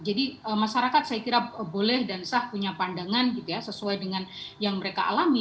jadi masyarakat saya kira boleh dan sah punya pandangan gitu ya sesuai dengan yang mereka alami